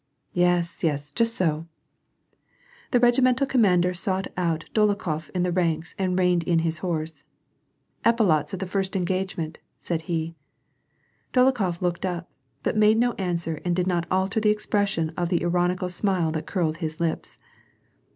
" Yes, yes, just so !" The regimental commander sought out Dolokhof in the ranks and reined in his horse. " Epaulets at the first engagement !" said he. Dolokhof looked up, but made no answer and did not alter the expression of the ironical smile that curled his lips.